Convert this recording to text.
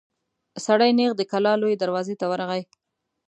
سړی نېغ د کلا لويي دروازې ته ورغی.